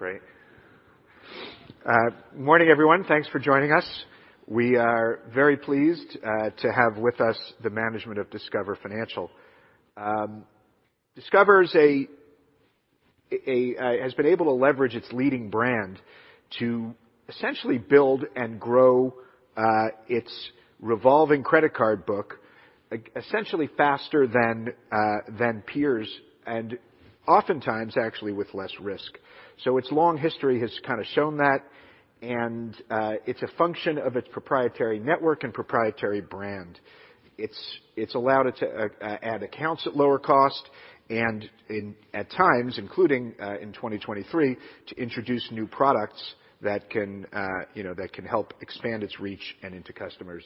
Great. Morning, everyone. Thanks for joining us. We are very pleased to have with us the management of Discover Financial. Discover's has been able to leverage its leading brand to essentially build and grow its revolving credit card book essentially faster than peers, and oftentimes actually with less risk. Its long history has kind of shown that. It's a function of its proprietary network and proprietary brand. It's allowed it to add accounts at lower cost, and in, at times, including in 2023, to introduce new products that can, you know, that can help expand its reach and into customers,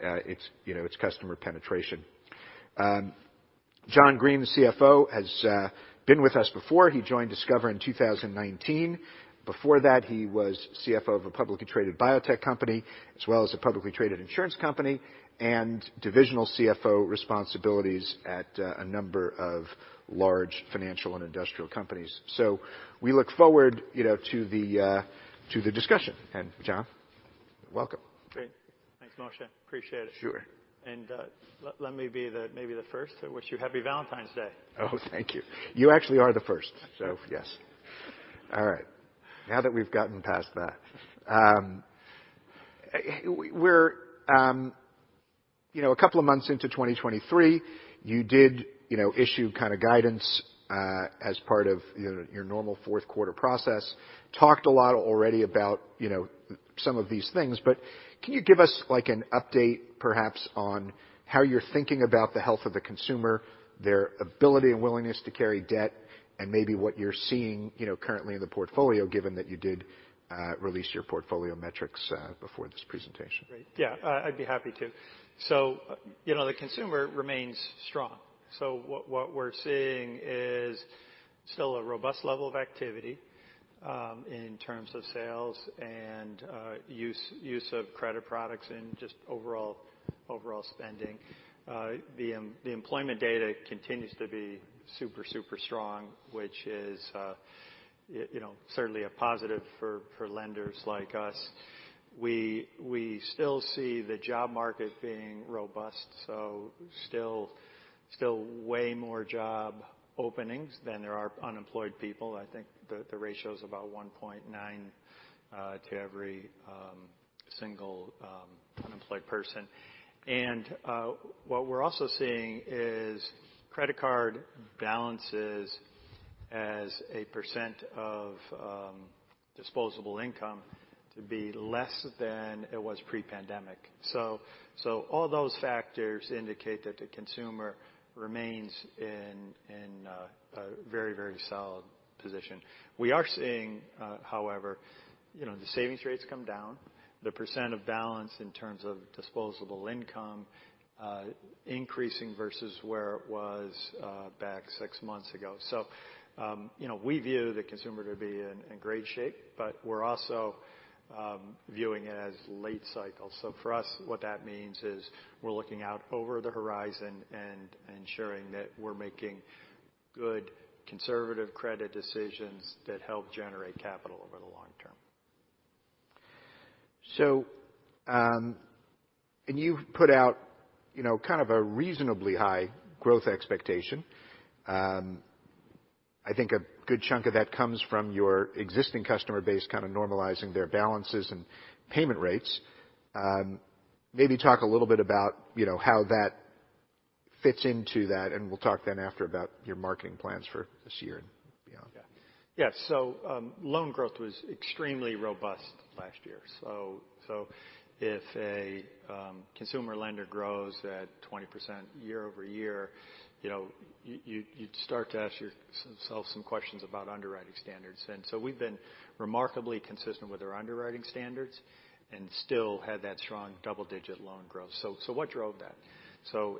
its, you know, its customer penetration. John Greene, the CFO, has been with us before. He joined Discover in 2019. Before that, he was CFO of a publicly traded biotech company, as well as a publicly traded insurance company, and divisional CFO responsibilities at a number of large financial and industrial companies. We look forward, you know, to the discussion. John, welcome. Great. Thanks, Moshe. Appreciate it. Sure. Let me be the, maybe the first to wish you happy Valentine's Day. Oh, thank you. You actually are the first. Yes. All right. Now that we've gotten past that. We're, you know, a couple of months into 2023, you did, you know, issue kinda guidance as part of, you know, your normal fourth quarter process. Talked a lot already about, you know, some of these things, Can you give us, like, an update perhaps on how you're thinking about the health of the consumer, their ability and willingness to carry debt, and maybe what you're seeing, you know, currently in the portfolio, given that you did release your portfolio metrics before this presentation? Great. Yeah. I'd be happy to. You know, the consumer remains strong. What we're seeing is still a robust level of activity in terms of sales and use of credit products and just overall spending. The employment data continues to be super strong, which is, you know, certainly a positive for lenders like us. We still see the job market being robust, still way more job openings than there are unemployed people. I think the ratio is about 1.9x to every single unemployed person. What we're also seeing is credit card balances as a percent of disposable income to be less than it was pre-pandemic. All those factors indicate that the consumer remains in a very solid position. We are seeing, however, you know, the savings rates come down, the percent of balance in terms of disposable income, increasing versus where it was, back six months ago. You know, we view the consumer to be in great shape, but we're also viewing it as late cycle. For us, what that means is we're looking out over the horizon and ensuring that we're making good conservative credit decisions that help generate capital over the long term. You've put out, you know, kind of a reasonably high growth expectation. I think a good chunk of that comes from your existing customer base kinda normalizing their balances and payment rates. Maybe talk a little bit about, you know, how that fits into that, and we'll talk then after about your marketing plans for this year and beyond. Yeah. Yeah. Loan growth was extremely robust last year. So if a consumer lender grows at 20% year over year, you know, you'd start to ask yourself some questions about underwriting standards. We've been remarkably consistent with our underwriting standards and still had that strong double-digit loan growth. So what drove that?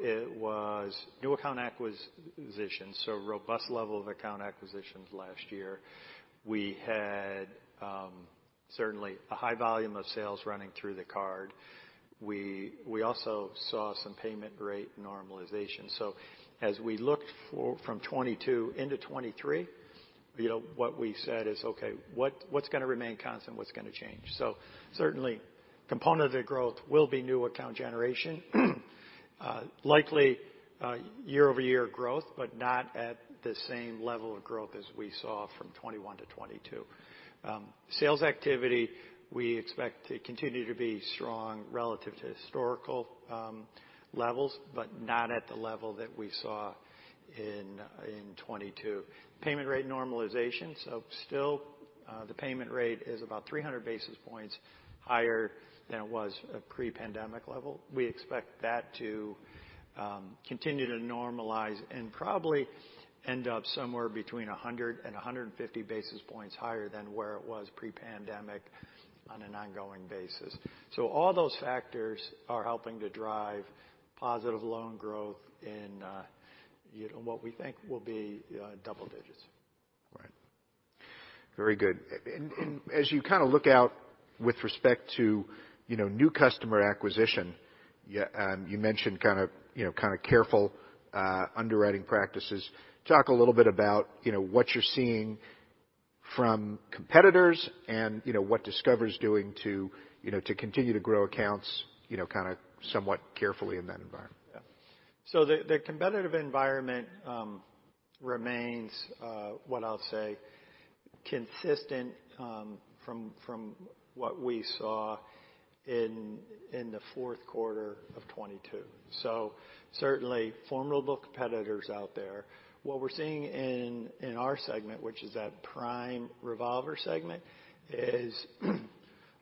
It was new account acquisitions, so robust level of account acquisitions last year. We also saw some payment rate normalization. As we look from 2022 into 2023, you know, what we said is, "Okay, what's gonna remain constant? What's gonna change?" Certainly component of the growth will be new account generation. Likely year-over-year growth, but not at the same level of growth as we saw from 2021 to 2022. Sales activity, we expect to continue to be strong relative to historical levels, but not at the level that we saw in 2022. Payment rate normalization. Still, the payment rate is about 300 basis points higher than it was at pre-pandemic level. We expect that to continue to normalize and probably end up somewhere between 100 and 150 basis points higher than where it was pre-pandemic on an ongoing basis. All those factors are helping to drive positive loan growth in, you know, what we think will be double digits. Right. Very good. As you kind of look out with respect to, you know, new customer acquisition, you mentioned kind of, you know, kind of careful underwriting practices. Talk a little bit about, you know, what you're seeing from competitors and, you know, what Discover's doing to, you know, to continue to grow accounts, you know, kind of somewhat carefully in that environment. Yeah. The competitive environment remains what I'll say, consistent from what we saw in the fourth quarter of 2022. Certainly formidable competitors out there. What we're seeing in our segment, which is that prime revolver segment, is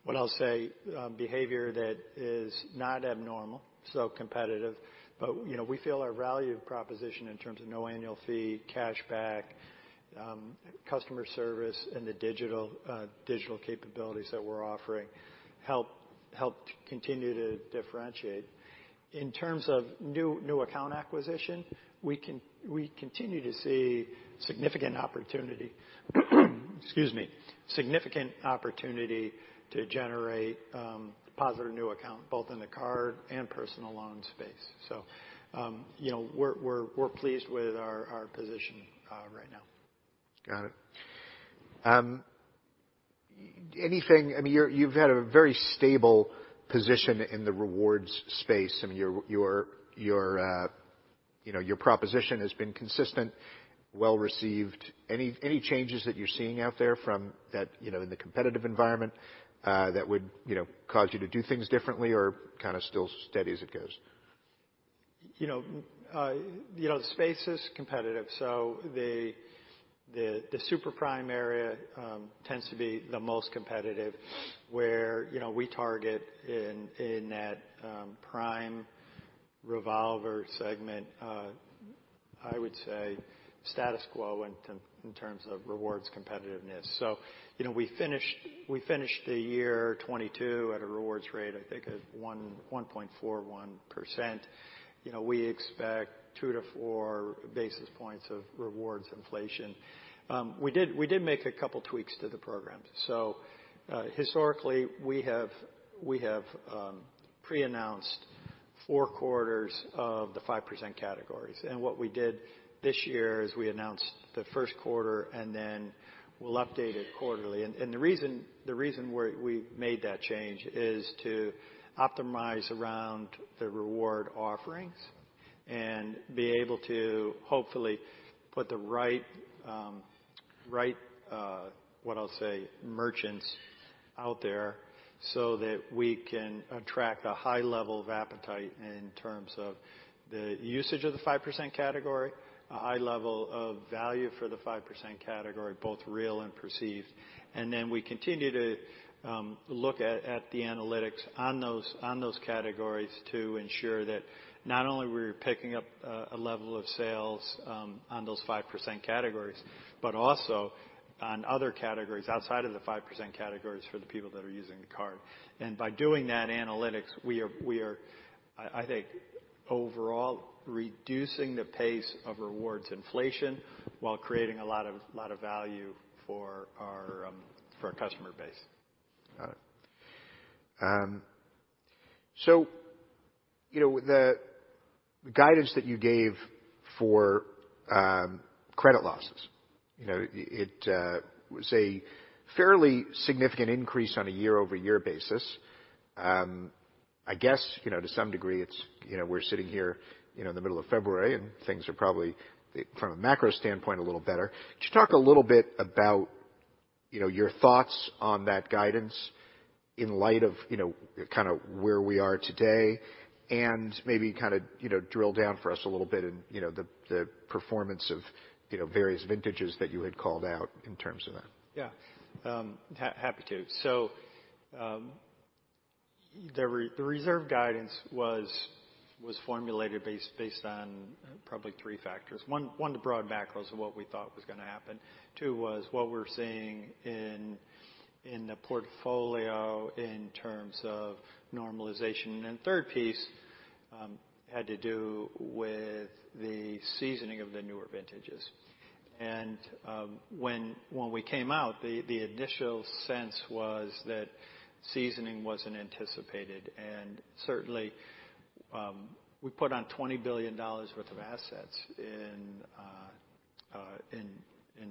what I'll say, behavior that is not abnormal, so competitive. You know, we feel our value proposition in terms of no annual fee, cashback, customer service and the digital capabilities that we're offering help continue to differentiate. In terms of new account acquisition, we continue to see significant opportunity. Excuse me. Significant opportunity to generate positive new account, both in the card and personal loan space. You know, we're pleased with our position right now. Got it. Anything... I mean, you've had a very stable position in the rewards space, and your, you know, your proposition has been consistent, well-received. Any changes that you're seeing out there from that, you know, in the competitive environment, that would, you know, cause you to do things differently or kind of still steady as it goes? You know, you know, the space is competitive, the super prime area tends to be the most competitive where, you know, we target in that prime revolver segment, I would say status quo in terms of rewards competitiveness. You know, we finished the year 2022 at a rewards rate, I think at 1.41%. You know, we expect 2-4 basis points of rewards inflation. We did make a couple tweaks to the program. Historically we have pre-announced four quarters of the 5% categories. What we did this year is we announced the first quarter, and then we'll update it quarterly. The reason we made that change is to optimize around the reward offerings and be able to hopefully put the right, what I'll say, merchants out there so that we can attract a high level of appetite in terms of the usage of the 5% category, a high level of value for the 5% category, both real and perceived. We continue to look at the analytics on those categories to ensure that not only we're picking up a level of sales on those 5% categories, but also on other categories outside of the 5% categories for the people that are using the card. By doing that analytics, we are, I think, overall reducing the pace of rewards inflation while creating a lot of value for our, for our customer base. Got it. You know, the guidance that you gave for credit losses, you know, it was a fairly significant increase on a year-over-year basis. I guess, you know, to some degree it's, you know, we're sitting here, you know, in the middle of February, and things are probably from a macro standpoint, a little better. Could you talk a little bit about, you know, your thoughts on that guidance in light of, you know, kind of where we are today and maybe kind of, you know, drill down for us a little bit in, you know, the performance of, you know, various vintages that you had called out in terms of that? Yeah. Happy to. The reserve guidance was formulated based on probably three factors. One, the broad macros of what we thought was going to happen. Two was what we're seeing in the portfolio in terms of normalization. Then third piece had to do with the seasoning of the newer vintages. When we came out, the initial sense was that seasoning wasn't anticipated, and certainly, we put on $20 billion worth of assets in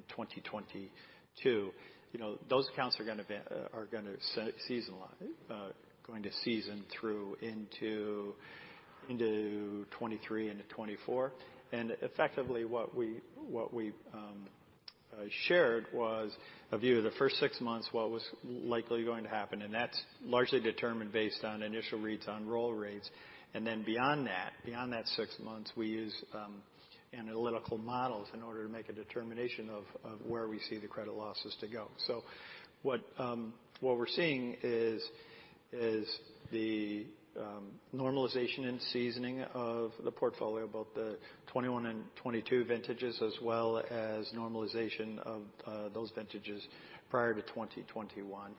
2022. You know, those accounts are going to season a lot, going to season through into 2023 and to 2024. Effectively what we shared was a view of the first six months, what was likely going to happen, and that's largely determined based on initial reads on roll rates. Beyond that, beyond that six months, we use analytical models in order to make a determination of where we see the credit losses to go. What we're seeing is the normalization and seasoning of the portfolio, both the 2021 and 2022 vintages, as well as normalization of those vintages prior to 2021.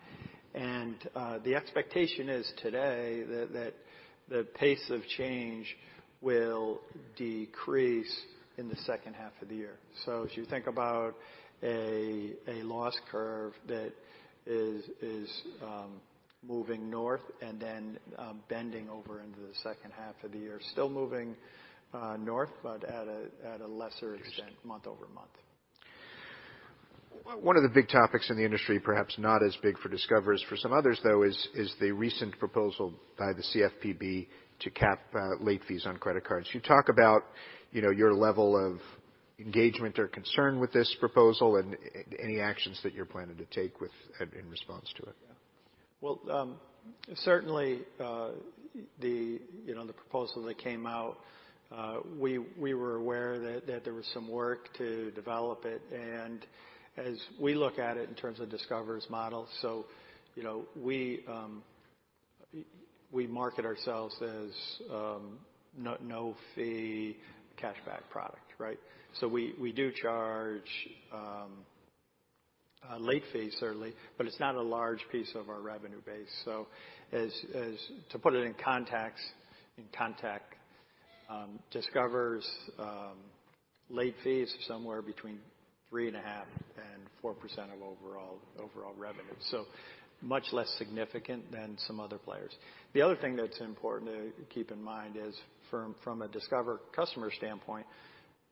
The expectation is today that the pace of change will decrease in the second half of the year. As you think about a loss curve that is moving north and then bending over into the second half of the year, still moving north, but at a lesser extent month-over-month. One of the big topics in the industry, perhaps not as big for Discover as for some others, though, is the recent proposal by the CFPB to cap late fees on credit cards. Can you talk about, you know, your level of engagement or concern with this proposal and any actions that you're planning to take in response to it? Certainly, you know, the proposal that came out, we were aware that there was some work to develop it. As we look at it in terms of Discover's model, you know, we market ourselves as a no-fee cashback product, right? We do charge late fees certainly, but it's not a large piece of our revenue base. To put it in context, Discover's late fees are somewhere between 3.5%-4% of overall revenue, much less significant than some other players. The other thing that's important to keep in mind is from a Discover customer standpoint,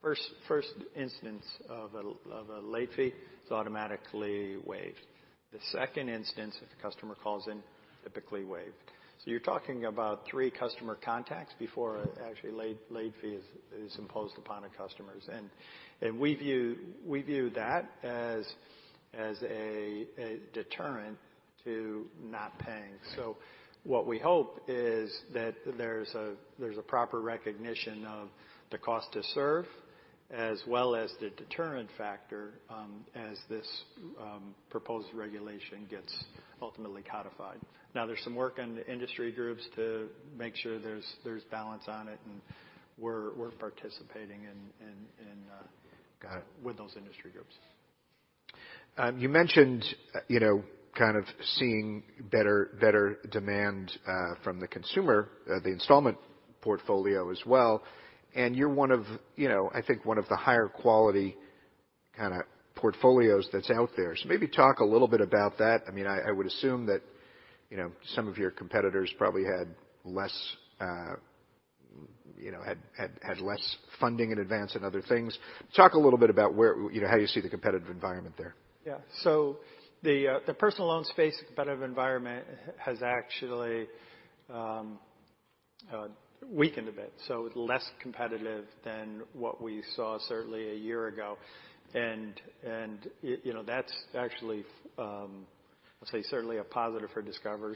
first instance of a late fee is automatically waived. The second instance, if the customer calls in, typically waived. You're talking about three customer contacts before actually late fee is imposed upon a customers. We view that as a deterrent to not paying. What we hope is that there's a proper recognition of the cost to serve as well as the deterrent factor as this proposed regulation gets ultimately codified. Now there's some work in the industry groups to make sure there's balance on it, and we're participating in... Got it. ...with those industry groups. You mentioned, you know, kind of seeing better demand from the consumer, the installment portfolio as well. You're one of, you know, I think one of the higher quality kind of portfolios that's out there. Maybe talk a little bit about that. I mean, I would assume that, you know, some of your competitors probably had less, you know, had less funding in advance and other things. Talk a little bit about where, you know, how you see the competitive environment there? The personal loan space competitive environment has actually weakened a bit, less competitive than what we saw certainly a year ago. You know, that's actually, let's say certainly a positive for Discover.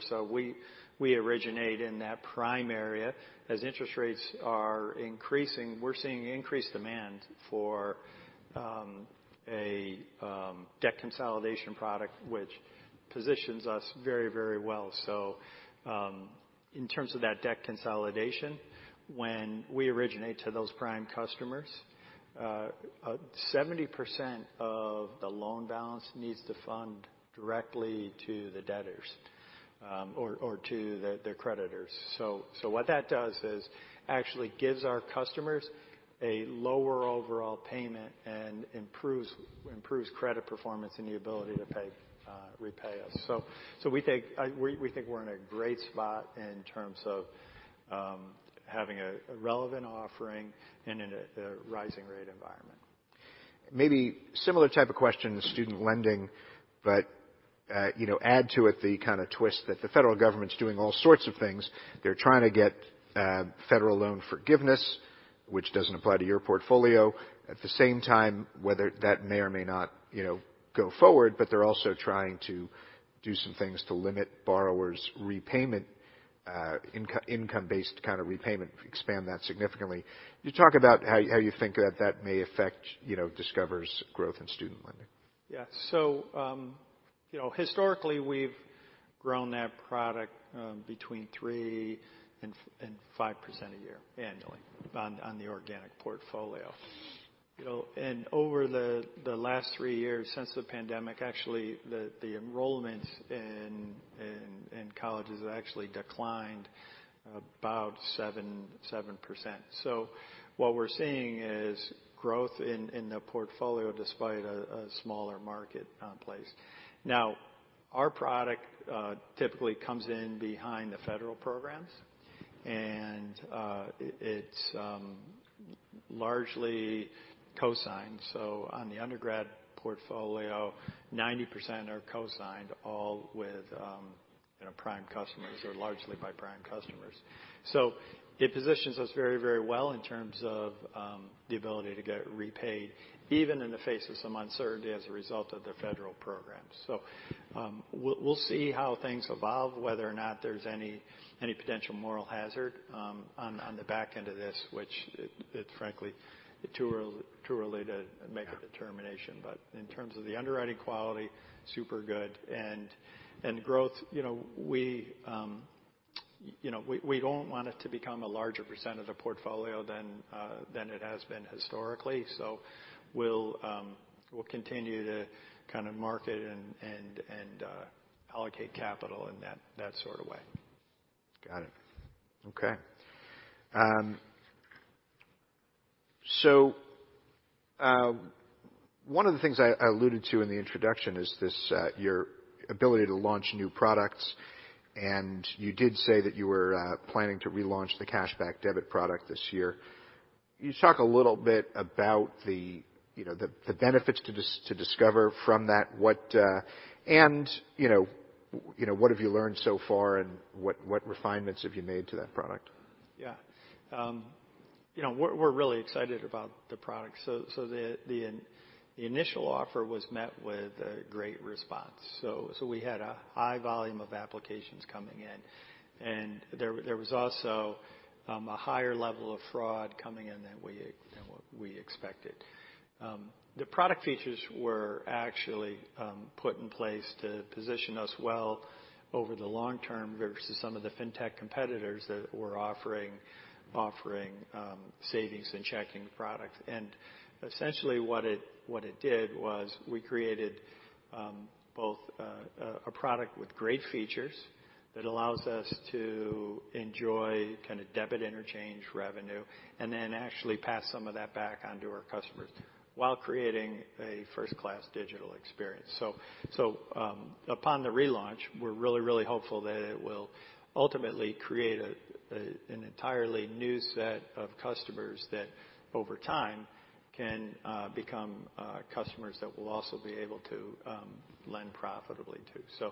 We originate in that prime area. As interest rates are increasing, we're seeing increased demand for a debt consolidation product, which positions us very, very well. In terms of that debt consolidation, when we originate to those prime customers, 70% of the loan balance needs to fund directly to the debtors, or to the creditors. What that does is actually gives our customers a lower overall payment and improves credit performance and the ability to repay us. We think we're in a great spot in terms of having a relevant offering in a rising rate environment. Maybe similar type of question, student lending, but, you know, add to it the kind of twist that the federal government's doing all sorts of things. They're trying to get federal loan forgiveness, which doesn't apply to your portfolio. At the same time, whether that may or may not, you know, go forward, but they're also trying to do some things to limit borrowers' repayment, income-based kind of repayment, expand that significantly. Can you talk about how you think that that may affect, you know, Discover's growth in student lending? Yeah. You know, historically, we've grown that product between 3% and 5% a year annually on the organic portfolio. You know, over the last three years since the pandemic, actually, the enrollments in colleges have actually declined about 7%. What we're seeing is growth in the portfolio despite a smaller marketplace. Now, our product typically comes in behind the federal programs, and it's largely cosigned. On the undergrad portfolio, 90% are cosigned all with, you know, prime customers or largely by prime customers. It positions us very, very well in terms of the ability to get repaid even in the face of some uncertainty as a result of the federal programs. We'll see how things evolve, whether or not there's any potential moral hazard on the back end of this, which it frankly, too early to make a determination. In terms of the underwriting quality, super good. Growth, you know, we don't want it to become a larger percent of the portfolio than it has been historically. We'll continue to kind of market and allocate capital in that sort of way. Got it. Okay. One of the things I alluded to in the introduction is this, your ability to launch new products. You did say that you were planning to relaunch the Cashback Debit product this year. Can you talk a little bit about the, you know, the benefits to Discover from that? What... You know, what have you learned so far, and what refinements have you made to that product? Yeah. You know, we're really excited about the product. The initial offer was met with a great response. We had a high volume of applications coming in, and there was also a higher level of fraud coming in than what we expected. The product features were actually put in place to position us well over the long term versus some of the fintech competitors that were offering savings and checking products. Essentially what it did was we created both a product with great features that allows us to enjoy kind of debit interchange revenue, and then actually pass some of that back on to our customers while creating a first-class digital experience. Upon the relaunch, we're really hopeful that it will ultimately create an entirely new set of customers that over time can become customers that we'll also be able to lend profitably too.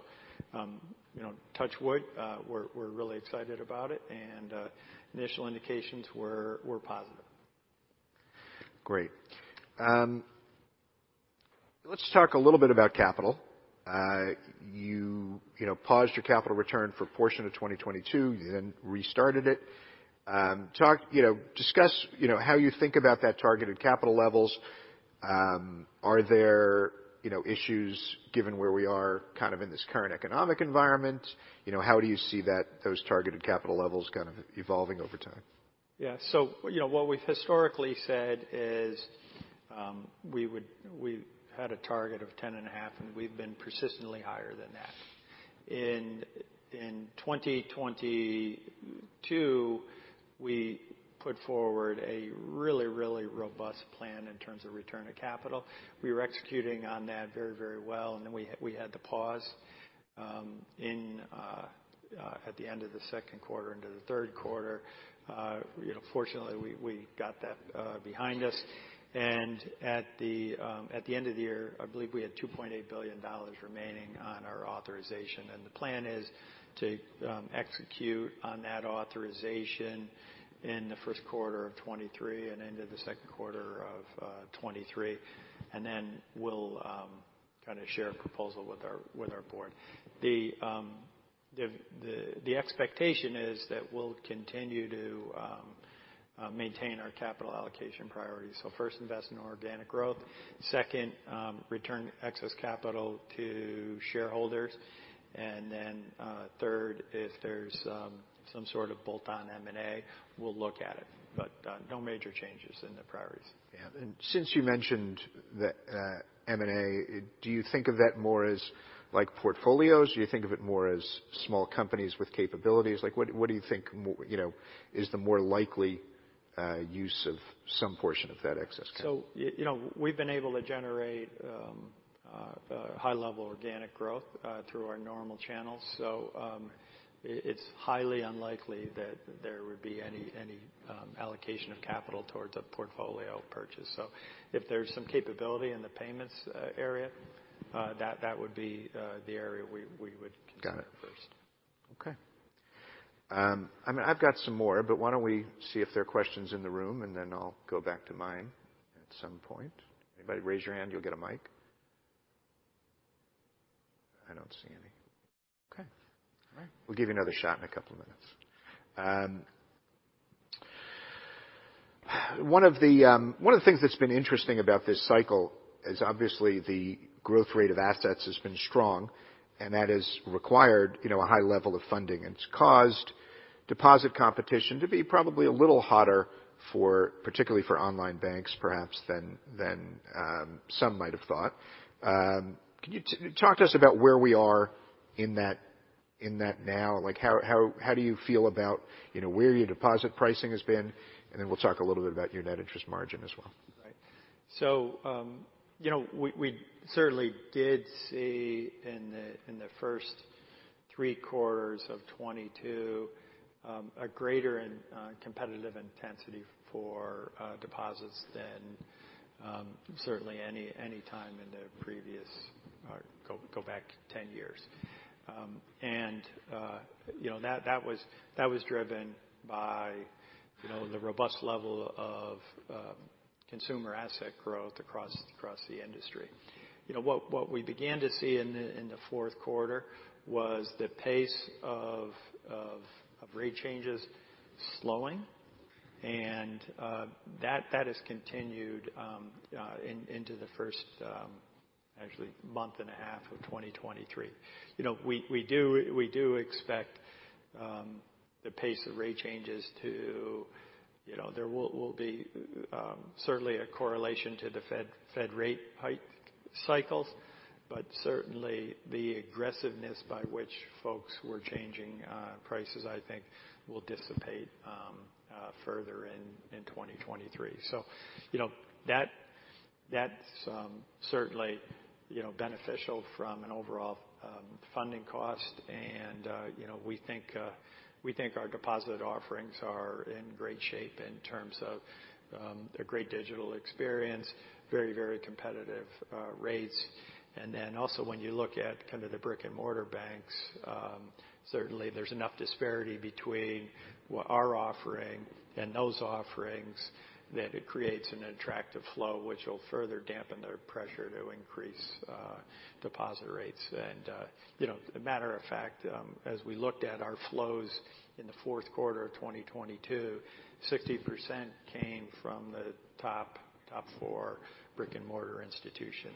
You know, touch wood, we're really excited about it, and initial indications were positive. Great. Let's talk a little bit about capital. You, you know, paused your capital return for a portion of 2022, you then restarted it. Discuss, you know, how you think about that targeted capital levels. Are there, you know, issues given where we are kind of in this current economic environment? How do you see that, those targeted capital levels kind of evolving over time? Yeah. You know, what we've historically said is, we had a target of 10.5, and we've been persistently higher than that. In 2022, we put forward a really, really robust plan in terms of return of capital. We were executing on that very, very well. We had to pause at the end of the second quarter into the third quarter. You know, fortunately we got that behind us. At the end of the year, I believe we had $2.8 billion remaining on our authorization. The plan is to execute on that authorization in the first quarter of 2023 and into the second quarter of 2023. We'll kind of share a proposal with our board. The expectation is that we'll continue to maintain our capital allocation priorities. First, invest in organic growth. Second, return excess capital to shareholders. Third, if there's some sort of bolt-on M&A, we'll look at it, but no major changes in the priorities. Yeah. Since you mentioned the M&A, do you think of that more as like portfolios? Do you think of it more as small companies with capabilities? Like, what do you think more, you know, is the more likely use of some portion of that excess capital? You know, we've been able to generate high level organic growth through our normal channels. It's highly unlikely that there would be any allocation of capital towards a portfolio purchase. If there's some capability in the payments area that would be the area we would... Got it. ...consider first. Okay. I mean, I've got some more, why don't we see if there are questions in the room, and then I'll go back to mine at some point. Anybody, raise your hand, you'll get a mic. I don't see any. Okay. All right. We'll give you another shot in a couple of minutes. One of the, one of the things that's been interesting about this cycle is obviously the growth rate of assets has been strong, that has required, you know, a high level of funding. It's caused deposit competition to be probably a little hotter for, particularly for online banks perhaps than some might have thought. Can you talk to us about where we are in that now? Like how do you feel about, you know, where your deposit pricing has been? We'll talk a little bit about your net interest margin as well. Right. You know, we certainly did see in the first three quarters of 2022, a greater and competitive intensity for deposits than certainly any time in the previous or go back 10 years. You know, that was driven by, you know, the robust level of consumer asset growth across the industry. You know, what we began to see in the fourth quarter was the pace of rate changes slowing. That has continued actually into the first month and a half of 2023. You know, we do expect the pace of rate changes. You know, there will be certainly a correlation to the Fed rate hike cycles. Certainly the aggressiveness by which folks were changing prices, I think will dissipate further in 2023. You know, that's certainly, you know, beneficial from an overall funding cost. You know, we think our deposit offerings are in great shape in terms of a great digital experience, very competitive rates. Also when you look at kind of the brick-and-mortar banks, certainly there's enough disparity between what our offering and those offerings, that it creates an attractive flow which will further dampen their pressure to increase deposit rates. You know, matter of fact, as we looked at our flows in the fourth quarter of 2022, 60% came from the top four brick-and-mortar institutions.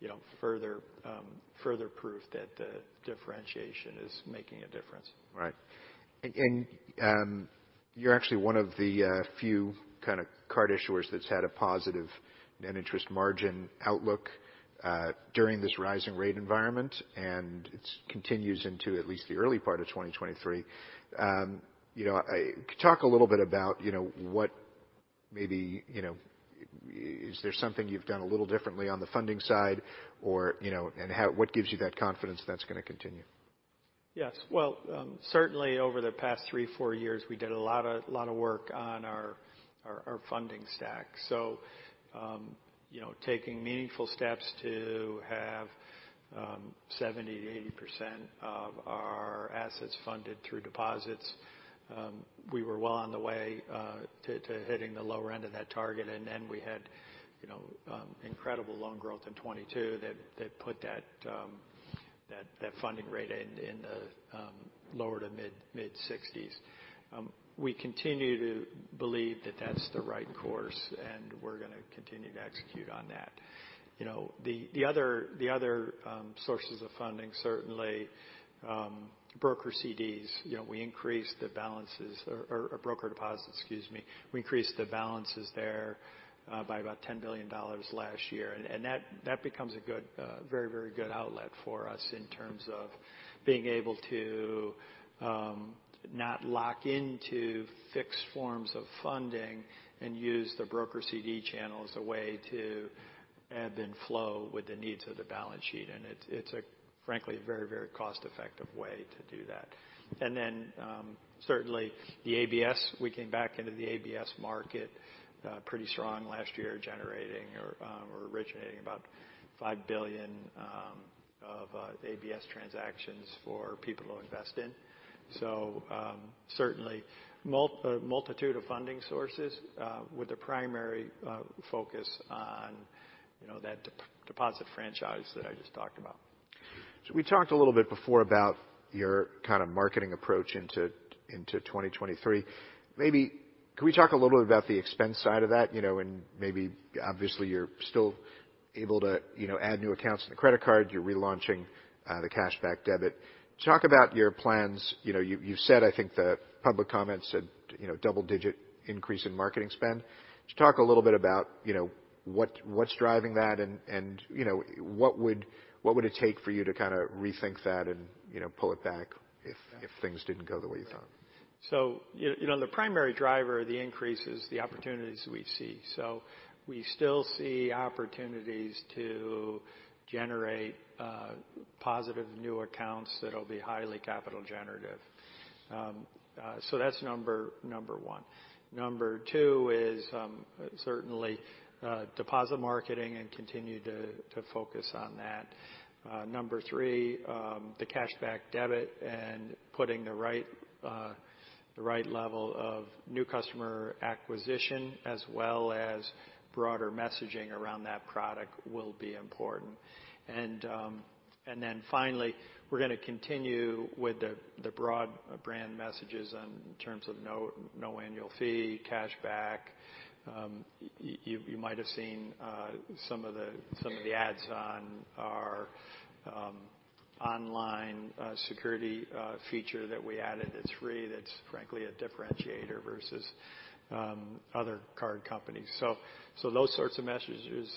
you know, further proof that the differentiation is making a difference. Right. You're actually one of the few kind of card issuers that's had a positive net interest margin outlook during this rising rate environment, and it's continues into at least the early part of 2023. You know, talk a little bit about, you know, what maybe, you know, is there something you've done a little differently on the funding side or, you know, what gives you that confidence that's gonna continue? Yes. Well, certainly over the past three, four years, we did a lot of work on our funding stack. You know, taking meaningful steps to have 70%-80% of our assets funded through deposits. We were well on the way to hitting the lower end of that target. We had, you know, incredible loan growth in 2022 that put that funding rate in the lower to mid-60s. We continue to believe that that's the right course, and we're gonna continue to execute on that. You know, the other sources of funding certainly, brokered CDs. You know, we increased the balances or broker deposits, excuse me. We increased the balances there, by about $10 billion last year. That becomes a good, very, very good outlet for us in terms of being able to not lock into fixed forms of funding and use the brokered CD channel as a way to ebb and flow with the needs of the balance sheet. It's a, frankly, a very, very cost-effective way to do that. Certainly the ABS, we came back into the ABS market pretty strong last year, generating or originating about $5 billion of ABS transactions for people to invest in. Certainly multitude of funding sources with the primary focus on, you know, that deposit franchise that I just talked about. We talked a little bit before about your kind of marketing approach into 2023. Could we talk a little bit about the expense side of that? Obviously you're still able to, you know, add new accounts to the credit card. You're relaunching the Cashback Debit. Talk about your plans. You've said, I think the public comments said, you know, double-digit increase in marketing spend. Talk a little bit about, you know, what's driving that and you know, what would it take for you to kind of rethink that and, you know, pull it back if things didn't go the way you thought? You know, the primary driver of the increase is the opportunities we see. We still see opportunities to generate positive new accounts that'll be highly capital generative. That's number 1. Number 2 is certainly deposit marketing and continue to focus on that. Number 3, the Cashback Debit and putting the right level of new customer acquisition as well as broader messaging around that product will be important. Then finally, we're gonna continue with the broad brand messages in terms of no annual fee, cashback. You might have seen some of the ads on our online security feature that we added. It's free. That's frankly a differentiator versus other card companies. Those sorts of messages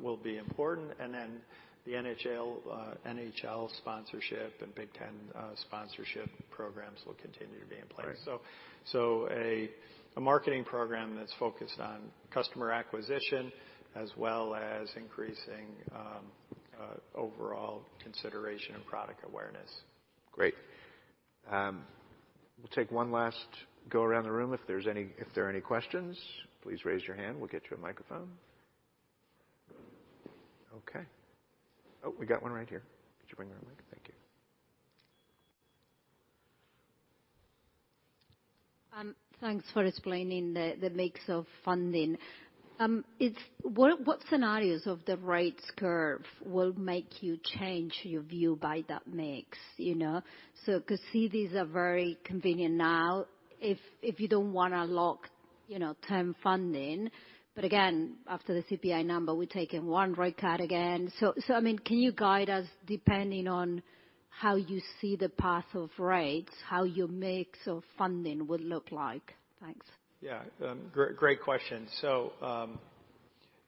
will be important. The NHL sponsorship and Big Ten sponsorship programs will continue to be in place. Right. A marketing program that's focused on customer acquisition as well as increasing overall consideration and product awareness. Great. We'll take one last go around the room. If there are any questions, please raise your hand. We'll get you a microphone. Okay. Oh, we got one right here. Could you bring her a mic? Thank you. Thanks for explaining the mix of funding. What scenarios of the rates curve will make you change your view by that mix, you know? Because CDs are very convenient now if you don't wanna lock, you know, term funding. Again, after the CPI number, we've taken one rate cut again. I mean, can you guide us depending on how you see the path of rates, how your mix of funding will look like? Thanks. Yeah. Great question.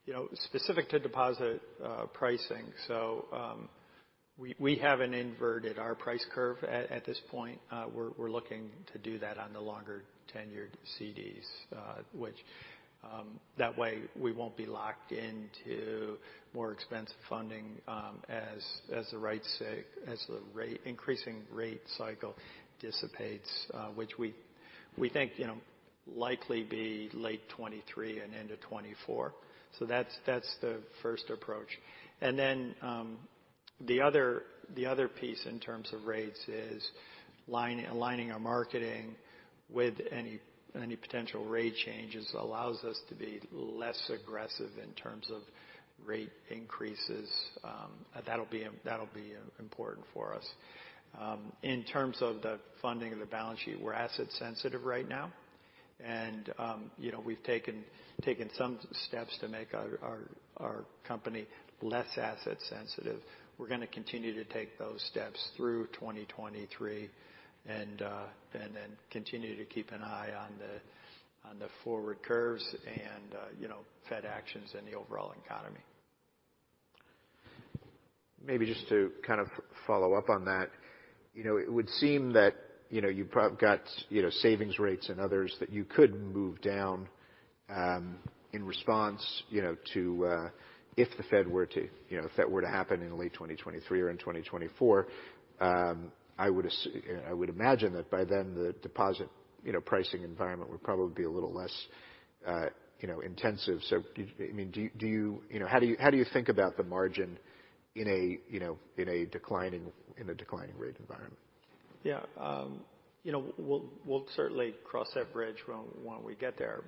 You know, specific to deposit pricing. We haven't inverted our price curve at this point. We're looking to do that on the longer tenured CDs. Which that way we won't be locked into more expensive funding as the increasing rate cycle dissipates, which we think, you know, likely be late 2023 and into 2024. That's the first approach. The other piece in terms of rates is aligning our marketing with any potential rate changes allows us to be less aggressive in terms of rate increases. That'll be important for us. In terms of the funding of the balance sheet, we're asset sensitive right now. You know, we've taken some steps to make our company less asset sensitive. We're gonna continue to take those steps through 2023. Continue to keep an eye on the forward curves and, you know, Fed actions in the overall economy. Maybe just to kind of follow up on that. You know, it would seem that, you know, you got, you know, savings rates and others that you could move down, in response, to, if the Fed were to, you know, if that were to happen in late 2023 or in 2024, I would imagine that by then the deposit, you know, pricing environment would probably be a little less, intensive. I mean, do you know, how do you think about the margin in a, you know, in a declining rate environment? Yeah. you know, we'll certainly cross that bridge when we get there.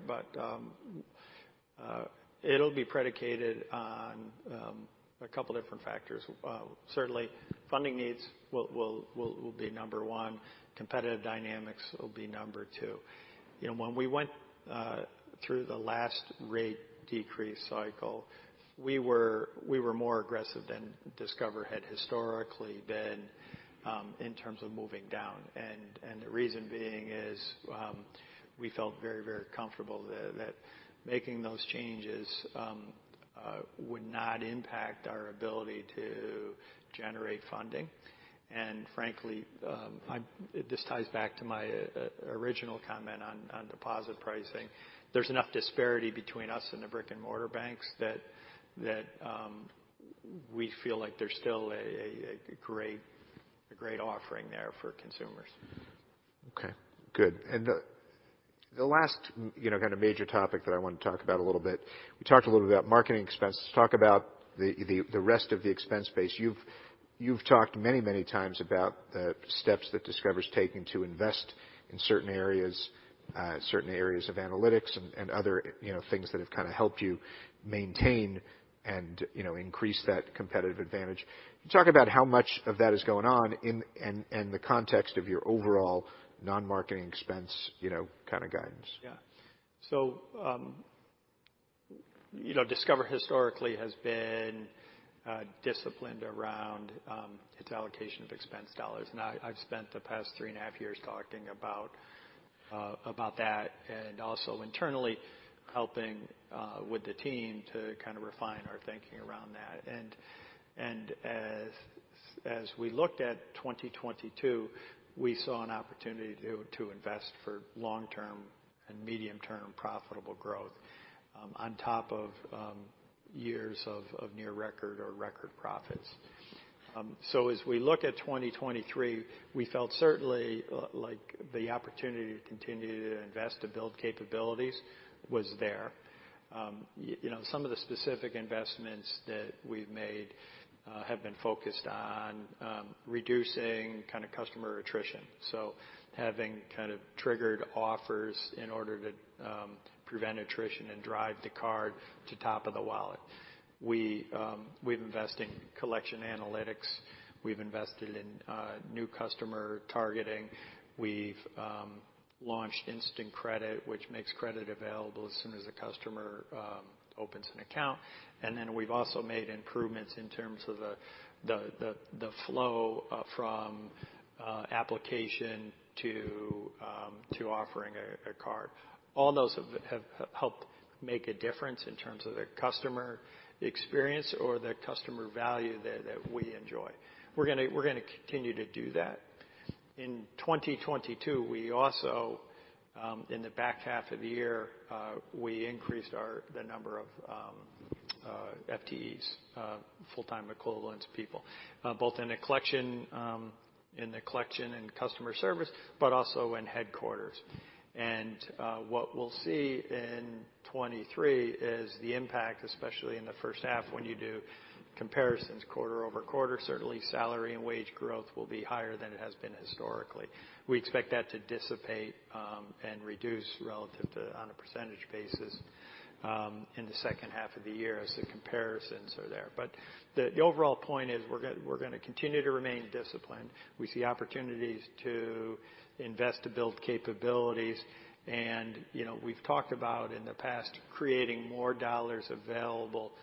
It'll be predicated on a couple different factors. Certainly funding needs will be number 1. Competitive dynamics will be number 2. You know, when we went through the last rate decrease cycle, we were more aggressive than Discover had historically been in terms of moving down. The reason being is we felt very, very comfortable that making those changes would not impact our ability to generate funding. Frankly, this ties back to my original comment on deposit pricing. There's enough disparity between us and the brick-and-mortar banks that we feel like there's still a great offering there for consumers. Okay. Good. The last, you know, kind of major topic that I want to talk about a little bit. We talked a little bit about marketing expenses. Talk about the rest of the expense base. You've talked many, many times about the steps that Discover's taken to invest in certain areas, certain areas of analytics and other, you know, things that have kinda helped you maintain and, you know, increase that competitive advantage. Can you talk about how much of that is going on and the context of your overall non-marketing expense, you know, kind of guidance? You know, Discover historically has been disciplined around its allocation of expense dollars. I've spent the past 3.5 years talking about about that, and also internally helping with the team to kind of refine our thinking around that. As we looked at 2022, we saw an opportunity to invest for long-term and medium-term profitable growth on top of years of near record or record profits. As we look at 2023, we felt certainly like the opportunity to continue to invest to build capabilities was there. Some of the specific investments that we've made have been focused on reducing kind of customer attrition. Having kind of triggered offers in order to prevent attrition and drive the card to top of the wallet. We've invested in collection analytics. We've invested in new customer targeting. We've launched Instant Credit, which makes credit available as soon as a customer opens an account. We've also made improvements in terms of the flow from application to offering a card. All those have helped make a difference in terms of the customer experience or the customer value that we enjoy. We're gonna continue to do that. In 2022, we also, in the back half of the year, we increased our... ...the number of FTEs, full-time equivalent people, both in the collection and customer service, but also in headquarters. What we'll see in 2023 is the impact, especially in the first half, when you do comparisons quarter-over-quarter. Certainly, salary and wage growth will be higher than it has been historically. We expect that to dissipate and reduce relative to on a percentage basis in the second half of the year as the comparisons are there. The overall point is we're gonna continue to remain disciplined. We see opportunities to invest to build capabilities. You know, we've talked about in the past creating more dollars available to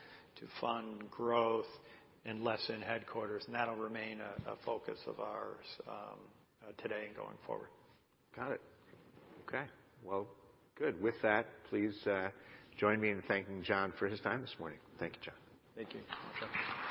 fund growth and less in headquarters, and that'll remain a focus of ours today and going forward. Got it. Okay. Well, good. With that, please, join me in thanking John for his time this morning. Thank you, John. Thank you, Moshe.